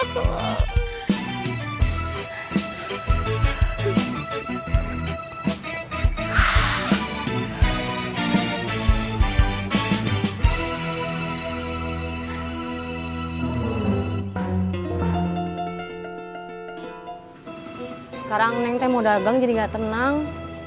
sekarang neng teh mau dagang jadi gak tenang